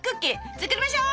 作りましょう！